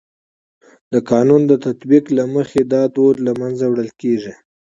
د قانون د تطبیق له لارې دا دود له منځه وړل کيږي.